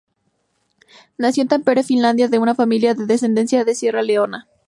Nació en Tampere, Finlandia, de una familia de descendencia de Sierra Leona.